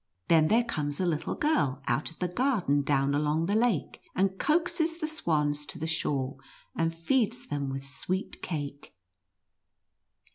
Then there comes a little girl out of the garden down along the lake, and coaxes the swans to the shore, and feeds them with sweet cake."